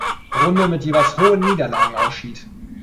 Runde mit jeweils hohen Niederlagen ausschied.